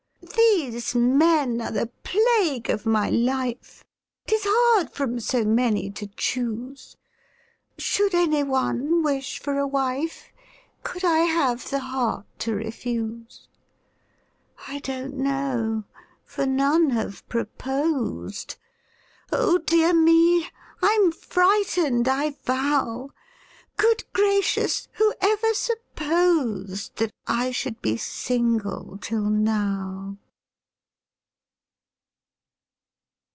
These men are the plague of my life: 'Tis hard from so many to choose! Should any one wish for a wife, Could I have the heart to refuse? I don't know for none have proposed Oh, dear me! I'm frightened, I vow! Good gracious! who ever supposed That I should be single till now?